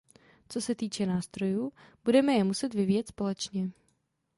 Co se týče nástrojů, budeme je muset vyvíjet společně.